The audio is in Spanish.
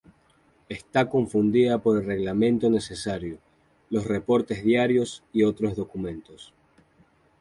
Está confundida por el reglamento necesario, los reportes diarios y otros documentos.